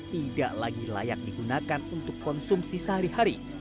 tidak lagi layak digunakan untuk konsumsi sehari hari